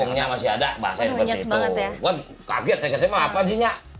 wah kaget saya kira apaan sih nyak